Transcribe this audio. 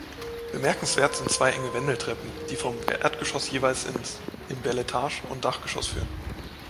Bemerkenswert sind zwei enge Wendeltreppen, die vom Erdgeschoss jeweils in Beletage und Dachgeschoss führen.